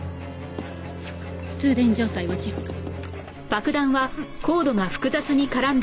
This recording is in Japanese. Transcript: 通電状態をチェック。